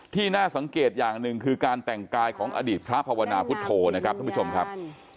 น่าสังเกตอย่างหนึ่งคือการแต่งกายของอดีตพระภาวนาพุทธโธนะครับท่านผู้ชมครับ